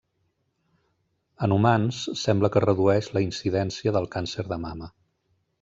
En humans sembla que redueix la incidència del càncer de mama.